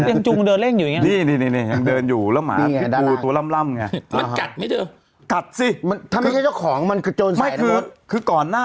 ยังจุงเดินเล่นอยู่อย่างงี้นะ